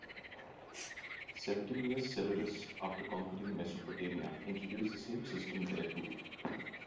Septimius Severus, after conquering Mesopotamia, introduced the same system there too.